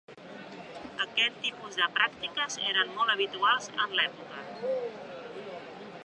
Aquest tipus de pràctiques eren molt habituals en l'època.